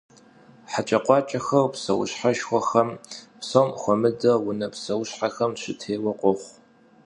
Heç'ekxhueç'exer pseuşheşşxuexem, psom xuemıdeu vune pseuşhexem, şıtêue khoxhu.